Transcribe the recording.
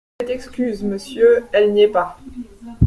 Faites excuse, monsieur… elle n’y est pas.